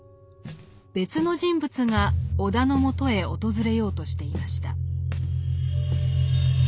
別の人物が尾田の元へ訪れようとしていました。